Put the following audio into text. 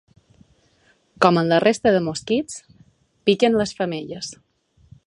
Com en la resta de mosquits, piquen les femelles.